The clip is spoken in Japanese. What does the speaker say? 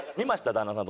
旦那さん